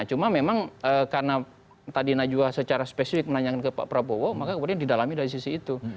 cuma memang karena tadi najwa secara spesifik menanyakan ke pak prabowo maka kemudian didalami dari sisi itu